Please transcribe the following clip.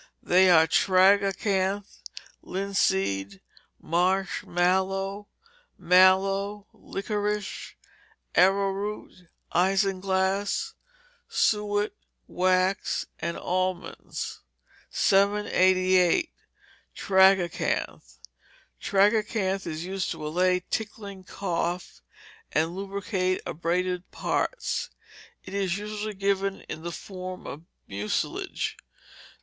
They are tragacanth, linseed, marsh mallow, mallow, liquorice, arrowroot, isinglass, suet, wax, and almonds. 788. Tragacanth Tragacanth is used to allay tickling cough, and lubricate abraded parts. It is usually given in the form of mucilage.